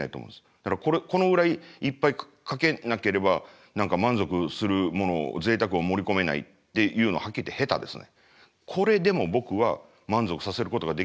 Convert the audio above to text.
だからこのぐらいいっぱいかけなければ何か満足するものぜいたくを盛り込めないっていうのははっきり言って下手ですね。